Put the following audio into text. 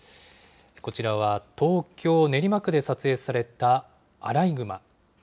こちらは東京・練馬区で撮影されたアライグマ。